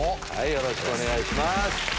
よろしくお願いします。